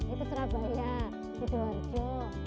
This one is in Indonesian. itu serabaya itu arjo